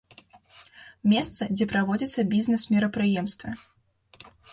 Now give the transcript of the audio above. Месца, дзе праводзяцца бізнес-мерапрыемствы.